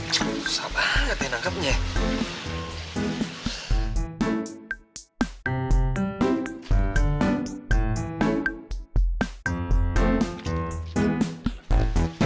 susah banget ya nangkepnya